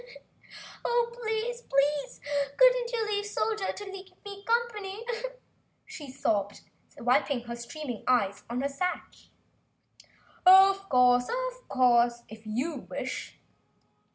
"Oh, please, please couldn't you leave the Soldier to keep me company?" she sobbed, wiping her streaming eyes on her sash. "Of course, if you wish!"